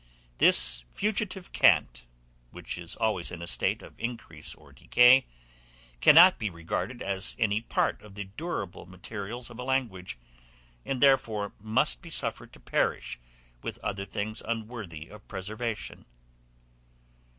This fugitive cant, which is always in a state of increase or decay, cannot be regarded as any part of the durable materials of a language, and therefore must be suffered to perish with other things unworthy of preservation.